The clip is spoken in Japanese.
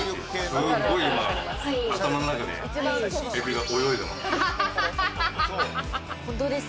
すごい今頭の中でエビが泳いでます。